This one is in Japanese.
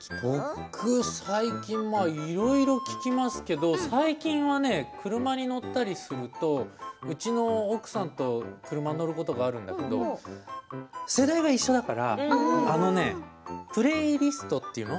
僕、最近、いろいろ聴きますけど最近はね、車で乗ったりするとうちの奥さんと車に乗ることがあるんだけど世代が一緒だからあのね、プレーリストというの？